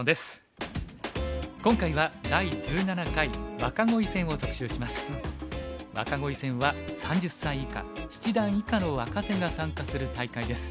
若鯉戦は３０歳以下七段以下の若手が参加する大会です。